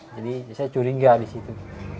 jadi saya curiga disitu